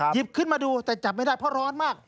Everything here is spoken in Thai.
หยิบขึ้นมาดูแต่จับไม่ได้เพราะร้อนมาก